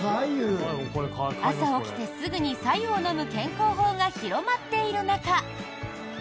朝起きてすぐにさゆを飲む健康法が広まっている中。